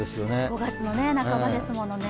５月の半ばですものね。